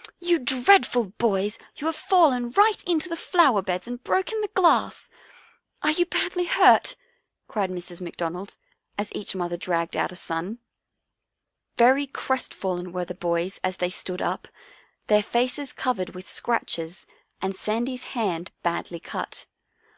" You dreadful boys, you have fallen right into the flower beds and broken the glass ! Are you badly hurt?" cried Mrs. McDonald, as each mother dragged out a son. Very crestfallen were the boys as they stood up, their faces covered with scratches and Sandy's hand badly cut. " What were you doing? " asked both moth ers sternly.